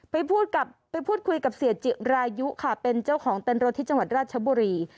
ไปพูดคุยกับเสียจิรายุค่ะเป็นเจ้าของเต้นรถที่จังหวัดราชบุรี